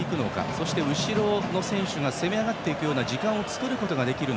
そして、後ろの選手が攻め上がっていくような時間を作れるのか。